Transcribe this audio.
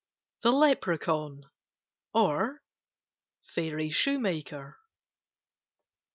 THE LEPRACAUN; OR, FAIRY SHOEMAKER. I.